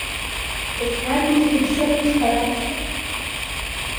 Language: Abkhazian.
Еснагь урҭ иԥсы рыҿҳәарамзи…